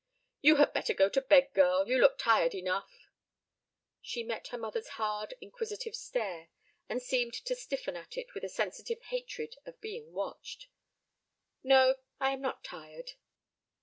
"You had better go to bed, girl; you look tired enough." She met her mother's hard, inquisitive stare, and seemed to stiffen at it with a sensitive hatred of being watched. "No, I am not tired."